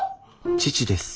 父です。